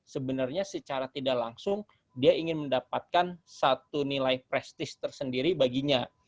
sebenarnya secara tidak langsung dia ingin mendapatkan satu nilai prestis tersendiri baginya